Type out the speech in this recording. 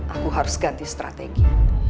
aku harus ganti strategi